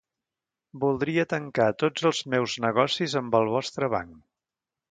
Voldria tancar tots els meus negocis amb el vostre banc.